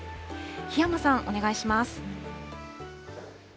檜山さん、お願いします。